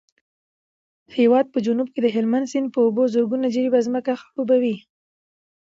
د هېواد په جنوب کې د هلمند سیند په اوبو زرګونه جریبه ځمکه خړوبېږي.